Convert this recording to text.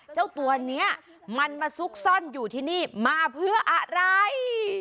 เจ้าตัวนี้มันมาซุกซ่อนอยู่ที่นี่มาเพื่ออะไร